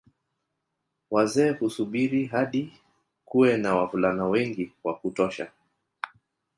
Wazee husubiri hadi kuwe na wavulana wengi wa kutosha